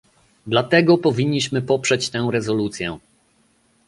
Dlatego powinniśmy poprzeć tę rezolucję